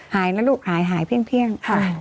หายนะลูกหายเพี้ยง